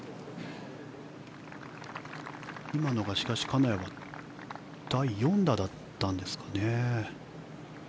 今のがしかし、金谷が第４打だったんですかね。